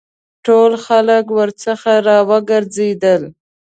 ټول خلک ورڅخه را وګرځېدل.